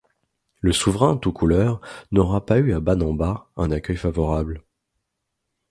Le souverain Toucouleur n’aura pas eu à Banamba un accueil favorable.